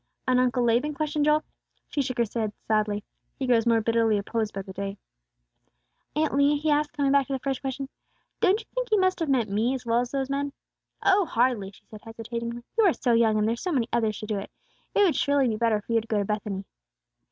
"And Uncle Laban?" questioned Joel. She shook her head sadly. "He grows more bitterly opposed every day." "Aunt Leah," he asked, coming back to the first question, "don't you think He must have meant me as well as those men?" "Oh, hardly," she said, hesitatingly, "you are so young, and there are so many others to do it; it would surely be better for you to go to Bethany."